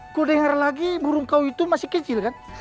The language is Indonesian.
aku dengar lagi burung kau itu masih kecil kan